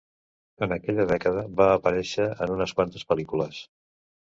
En aquella dècada, va aparèixer en unes quantes pel·lícules.